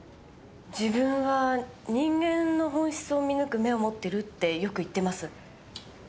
自分は人間の本質を見抜く目を持ってるってよく言ってます。